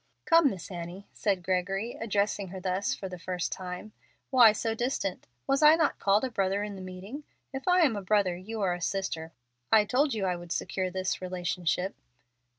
"Come, Miss Annie," said Gregory (addressing her thus for the first time); "why so distant? Was I not called a brother in the meeting? If I am a brother you are a sister. I told you I would secure this relationship."